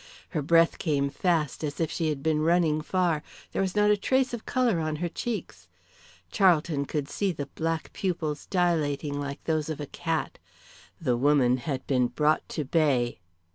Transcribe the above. Her breath came fast as if she had been running far, there was not a trace of colour on her cheeks. Charlton could see the black pupils dilating like those of a cat. The woman had been brought to bay.